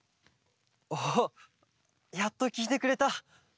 おっやっときいてくれた。